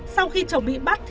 sau khi chồng bị bắt